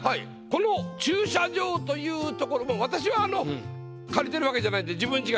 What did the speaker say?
この駐車場という所も私は借りてるわけじゃないんではいはい。